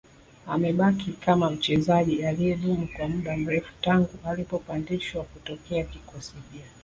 Amebaki kama mchezaji aliyedumu kwa muda mrefu tangu alipopandishwa kutokea kikosi B